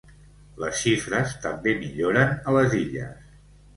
Les xifres també milloren a les Illes.